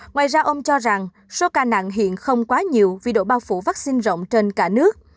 ngoài ra ông cho rằng số ca nặng hiện không quá nhiều vì độ bao phủ vaccine rộng trên cả nước